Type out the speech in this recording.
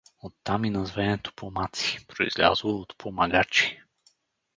От там и названието помаци, произлязло от „помагачи“.